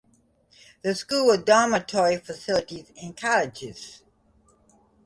The school has dormitory facilities in cottages.